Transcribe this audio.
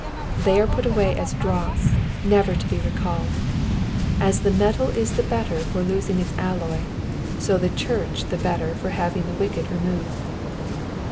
They are put away as dross, never to be recalled. As the metal is the better for losing its alloy, so is the church the better for having the wicked removed.